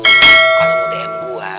kalau lu dm gua